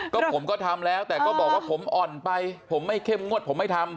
ก็ผมก็ทำแล้วแต่ก็บอกว่าผมอ่อนไปผมไม่เข้มงวดผมไม่ทำ